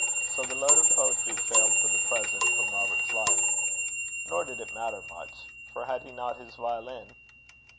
So the lode of poetry failed for the present from Robert's life. Nor did it matter much; for had he not his violin?